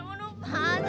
aduh nupah sakit